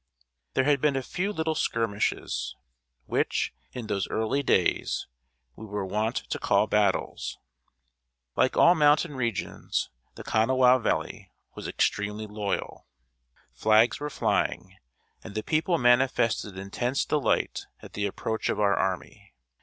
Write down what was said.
There had been a few little skirmishes, which, in those early days, we were wont to call battles. Like all mountain regions, the Kanawha valley was extremely loyal. Flags were flying, and the people manifested intense delight at the approach of our army.